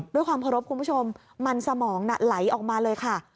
ด้วยความเคารพคุณผู้ชมมันสมองน่ะไหลออกมาเลยค่ะ